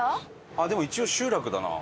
あっでも一応集落だな。